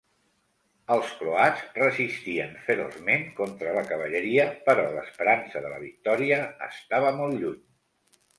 Els croats resistien feroçment contra la cavalleria, però l'esperança de la victòria estava molt lluny.